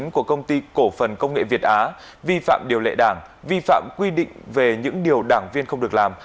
công ty cổ phần công nghệ việt á vi phạm điều lệ đảng vi phạm quy định về những điều đảng viên không được làm